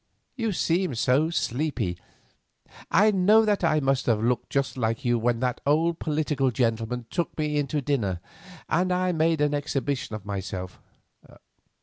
You seem so sleepy. I know that I must have looked just like you when that old political gentleman took me in to dinner, and I made an exhibition of myself."